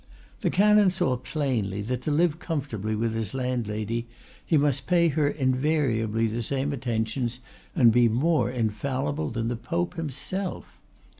The canon saw plainly that to live comfortably with his landlady he must pay her invariably the same attentions and be more infallible than the pope himself.